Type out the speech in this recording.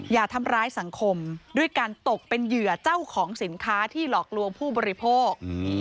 อย่าทำร้ายสังคมด้วยการตกเป็นเหยื่อเจ้าของสินค้าที่หลอกลวงผู้บริโภค